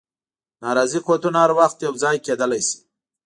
ناراضي قوتونه هر وخت یو ځای کېدلای شي.